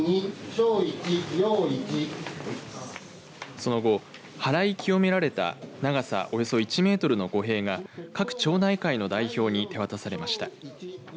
その後、はらい清められた長さおよそ１メートルの御幣が各町内会の代表に手渡されました。